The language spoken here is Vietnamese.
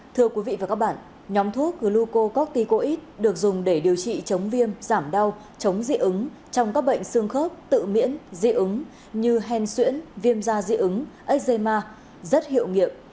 thưa quý vị và các bạn nhóm thuốc glucocorticoid được dùng để điều trị chống viêm giảm đau chống diễn ứng trong các bệnh xương khớp tự miễn diễn ứng như hèn xuyễn viêm da diễn ứng eczema rất hiệu nghiệp